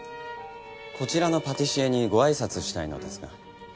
こちらのパティシエにごあいさつしたいのですが。